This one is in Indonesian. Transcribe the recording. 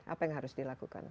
apa yang harus dilakukan